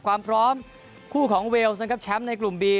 ความพร้อมคู่ของเวลสนะครับแชมป์ในกลุ่มบี